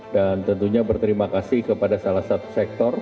dan tentunya berterima kasih kepada salah satu sektor